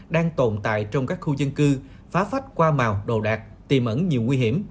đang tồn tại trong các khu dân cư phách qua màu đồ đạc tìm ẩn nhiều nguy hiểm